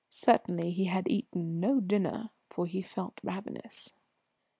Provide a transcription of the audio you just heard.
Certainly he had eaten no dinner, for he felt ravenous.